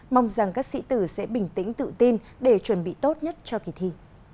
mong rằng các sĩ tử sẽ bình tĩnh tự tin để chuẩn bị tốt nhất cho kỳ thi